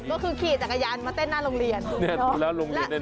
ก็คือขี่จักรยานมาเต้นหน้าโรงเรียน